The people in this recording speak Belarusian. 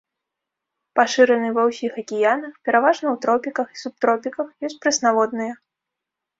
Пашыраны ва ўсіх акіянах, пераважна ў тропіках і субтропіках, ёсць прэснаводныя.